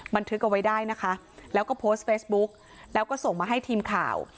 บันทึกเอาไว้ได้นะคะแล้วก็โพสต์เฟซบุ๊กแล้วก็ส่งมาให้ทีมข่าว